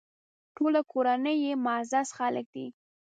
ټوله کورنۍ یې معزز خلک دي.